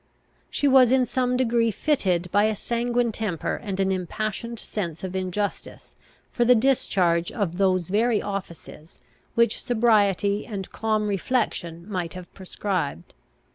She was in some degree fitted by a sanguine temper, and an impassioned sense of injustice, for the discharge of those very offices which sobriety and calm reflection might have prescribed.